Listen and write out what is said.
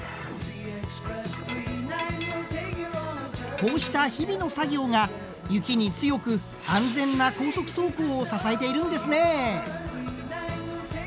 こうした日々の作業が雪に強く安全な高速走行を支えているんですね。